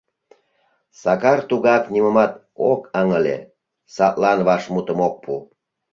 Сакар тугак нимомат ок ыҥыле, садлан вашмутым ок пу.